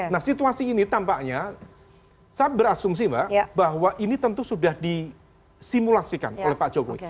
nah situasi ini tampaknya saya berasumsi mbak bahwa ini tentu sudah disimulasikan oleh pak jokowi